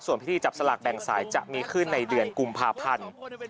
ส่วนพิธีจับสลากแบ่งสายจะมีขึ้นในเดือนกุมภาพันธ์